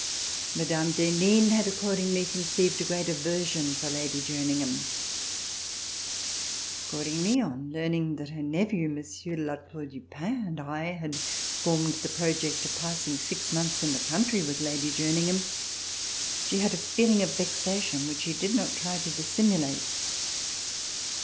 Mme. d'Henin had accordingly conceived a great aversion for Lady Jerningham. Accordingly on learning that her nephew, Monsieur de La Tour du Pin, and I had formed the project of passing six months in the RECOLLECTIONS OF THE REVOLUTION country with Lady Jerningham, she had a feeUng of vexation which she did not try to dissimulate.